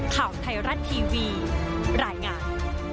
ข่าวไทยรัฐทีวีรายงาน